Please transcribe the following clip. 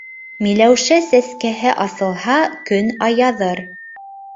Миләүшә сәскәһе асылһа, көн аяҙыр.